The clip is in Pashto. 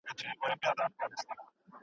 جزيه د وفادارۍ يوه نمونه ده.